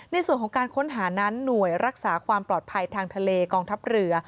ในส่วนของการค้นหานั้นหน่วยรักษาความปลอดภัยทางทะเลกองทัพเรือ